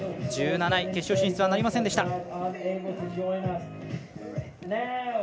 １７位決勝進出はなりませんでした。